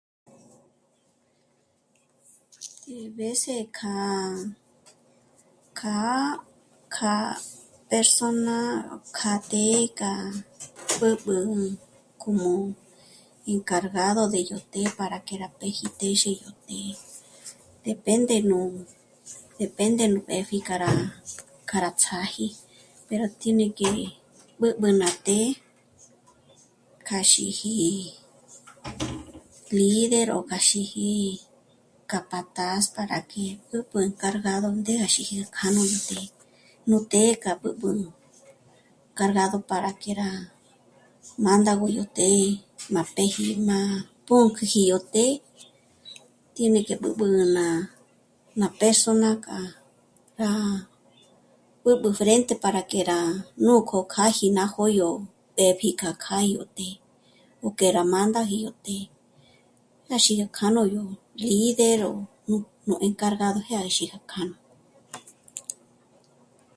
A veces kjâ'a, kjâ'a, kjâ'a persona kja të́'ë kja... b'ǚb'ü como íncargado de yó të́'ë para péji të́'ë yó ndzíxotǐ'i, depende nú, depende nú b'épji para k'á rá ts'áji, pero tiene que... b'ǚb'ü ná të́'ë kja xíji líder o kja xíji capataz para que b'ǚb'ü encargado de à xíji kjântja nú të́'ë k'a b'ǚb'ü cargado para quién rá mándago yó të́'ë má péji ná pǔnk'üji yó të́'ë tiene que b'ǚb'ü má pérsona k'a rá... b'ǚb'ü frente para que rá núk'o k'âji ná jó'o yó tépji yá kjâ'a yó të́'ë o que rá mándaji yó të́'ë, rá sí ná kjâ'a nó yó líder o nú encargado de téxi jyézhi ná kjánu